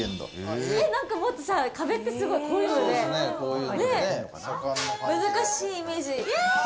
壁ってすごい、こういうので、難しいイメージ。